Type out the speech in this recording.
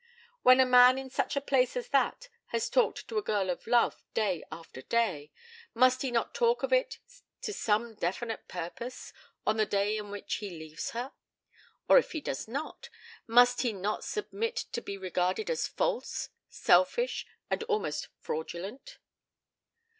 When a man in such a place as that has talked to a girl of love day after day, must not he talk of it to some definite purpose on the day on which he leaves her? Or if he do not, must he not submit to be regarded as false, selfish, and almost fraudulent?